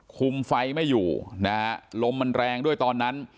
คุมไฟไม่อยู่นะฮะลมมันแรงด้วยตอนนั้น